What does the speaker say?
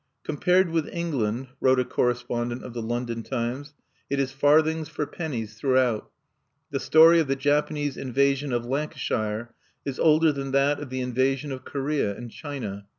"Compared with England," wrote a correspondent of the London Times, "it is farthings for pennies throughout.... The story of the Japanese invasion of Lancashire is older than that of the invasion of Korea and China.